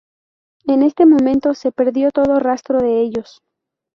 En ese momento se perdió todo rastro de ellos.